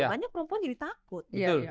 makanya perempuan jadi takut